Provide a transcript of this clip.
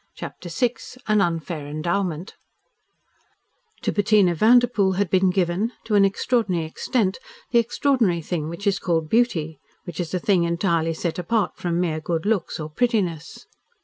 CHAPTER VI AN UNFAIR ENDOWMENT To Bettina Vanderpoel had been given, to an extraordinary extent, the extraordinary thing which is called beauty which is a thing entirely set apart from mere good looks or prettiness.